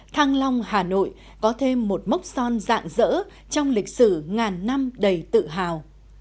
thăng long hà nội có thêm một mốc son dạng dỡ trong lịch sử ngàn năm đầy tự hào